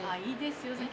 いいですよ。